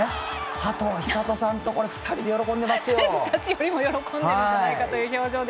佐藤寿人さんと２人で喜んでいますよ。